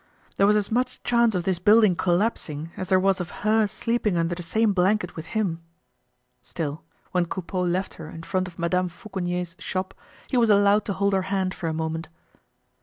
There was as much chance of this building collapsing as there was of her sleeping under the same blanket with him. Still, when Coupeau left her in front of Madame Fauconnier's shop, he was allowed to hold her hand for a moment.